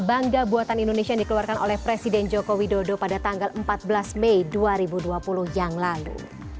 bangga buatan indonesia yang dikeluarkan oleh presiden joko widodo pada tanggal empat belas mei dua ribu dua puluh yang lalu